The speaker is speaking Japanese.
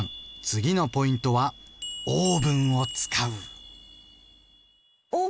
次のポイントは「オーブンを使う」。